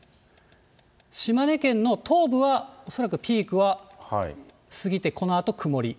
島根県の東部は、恐らくピークは過ぎて、このあと曇り。